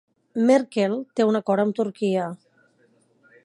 Merkel té un acord amb Turquia